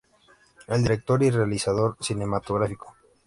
Es Director y realizador cinematográfico.